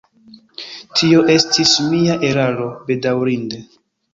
Tio estis mia eraro, bedaŭrinde.